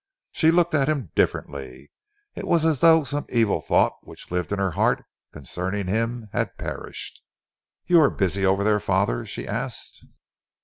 She looked at him differently. It was as though some evil thought which lived in her heart concerning him had perished. "You are busy over there, father?" she asked.